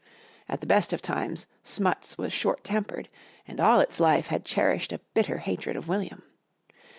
At the best of times Smuts was short tempered, and all its life had cherished a bitter hatred of William.